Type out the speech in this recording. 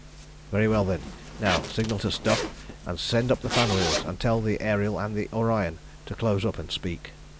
"Very well, then. Now signal to stop, and send up the fan wheels; and tell the Ariel and the Orion to close up and speak."